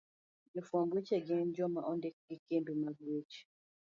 Jofwamb weche gin joma ondik gi kembe mag weche